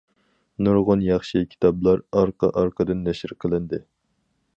نۇرغۇن ياخشى كىتابلار ئارقا- ئارقىدىن نەشر قىلىندى.